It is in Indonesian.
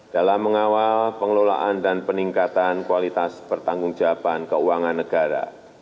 dalam mengawal pengelolaan dan peningkatan kualitas pertanggungjawaban keuangan negara